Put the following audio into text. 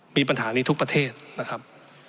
มีปัญหานี้ทุกประเทศนะครับ